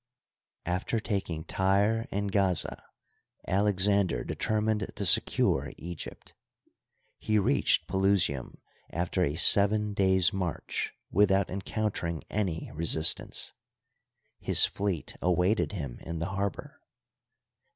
After taking Tyre and Gaza, Alexander determined to secure Egypt. He reached Pelusium after a seven days' march without encountering any resistance. His fleet awaited him in the harbor.